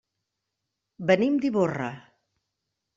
Venim d'Ivorra.